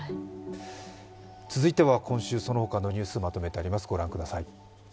続いては今週その他のニュースまとめてあります。